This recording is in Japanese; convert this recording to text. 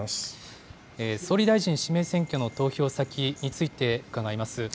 総理大臣指名選挙の投票先について伺います。